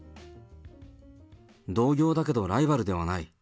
同業だけどライバルではない。